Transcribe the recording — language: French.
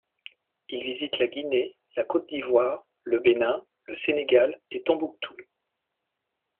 Il visite la Guinée, la Côte d'Ivoire, le Bénin, le Sénégal et Tombouctou.